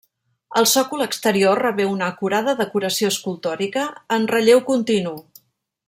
El sòcol exterior rebé una acurada decoració escultòrica en relleu continu.